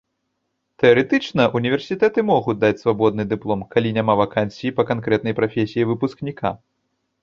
Тэарэтычна ўніверсітэты могуць даць свабодны дыплом, калі няма вакансіі па канкрэтнай прафесіі выпускніка.